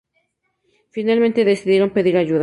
Finalmente decidieron pedir ayuda.